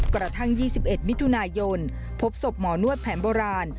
กระทั่ง๒๑มิถุนายนพบศพหมอนวดแผนโบราณ